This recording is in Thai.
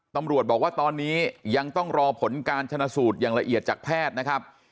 ตำรวจบอกว่าตอนนี้ยังต้องรอผลการชนะสูตรอย่างละเอียดจากแพทย์นะครับ